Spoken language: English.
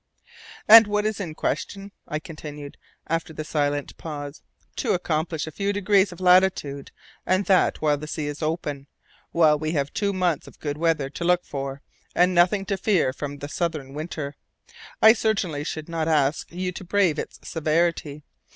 "And what is in question?" I continued, after the silent pause. "To accomplish a few degrees of latitude, and that while the sea is open, while we have two months of good weather to look for, and nothing to fear from the southern winter. I certainly should not ask you to brave its severity.